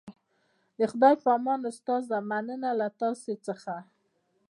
د خدای په امان استاده مننه له تاسو څخه